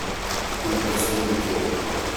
Une personne de cœur.